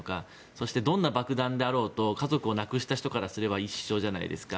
そしてどんな爆弾であろうと家族を亡くした人からすれば一緒じゃないですか。